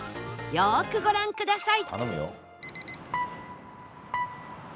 よくご覧ください